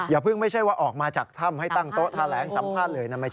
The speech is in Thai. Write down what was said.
อย่าเพิ่งไม่ใช่ว่าออกมาจากถ้ำให้ตั้งโต๊ะแถลงสัมภาษณ์เลยนะไม่ใช่